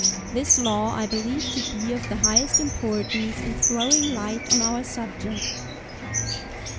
This law I believe to be of the highest importance in throwing light on our subject.